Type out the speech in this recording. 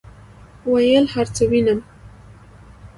ویل هرڅه وینم،